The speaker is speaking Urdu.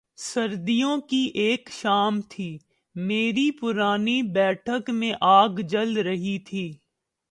سردیوں کی ایک شام تھی، میری پرانی بیٹھک میں آگ جل رہی تھی۔